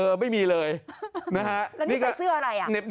เออไม่มีเลยนะฮะนี่ก็แล้วนี่ใส่เสื้ออะไรอ่ะ